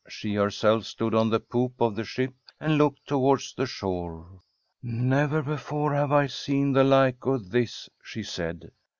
She herself stood on the poop of the ship and looked towards the shore. • Never before have I seen the like of this,' she said.